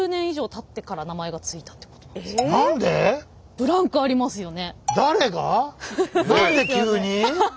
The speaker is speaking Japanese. ブランクありますよね。